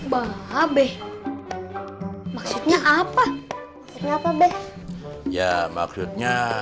babi maksudnya apa apa be ya maksudnya